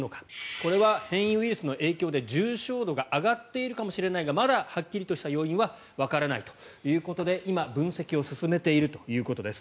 これは変異ウイルスの影響で重症度が上がっているかもしれないがまだはっきりとした要因はわからないということで今、分析を進めているということです。